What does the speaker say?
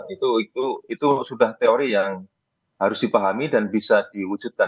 itu sudah teori yang harus dipahami dan bisa diwujudkan